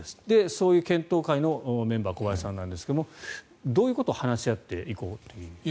そういう検討会のメンバー小林さんなんですがどういうことを話し合っていこうということですか。